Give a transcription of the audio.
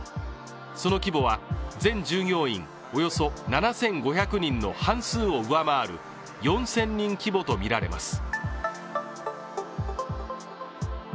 その規模は全従業員およそ７５００人の半数を上回る４０００人規模とみられます。